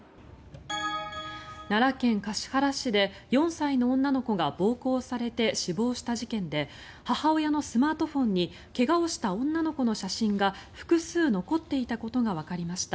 奈良県橿原市で４歳の女の子が暴行されて死亡した事件で母親のスマートフォンに怪我をした女の子の写真が複数残っていたことがわかりました。